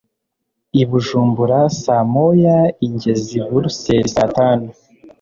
i Bujumbura sa moya ingeza i Bruseli sa tanu